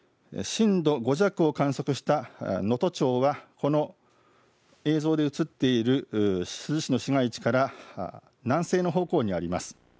震度５弱を観測した能登町はこの映像で映っている珠洲市の市街地から南西の方向にあります。